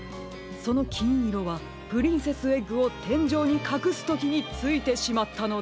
そのきんいろはプリンセスエッグをてんじょうにかくすときについてしまったのでは。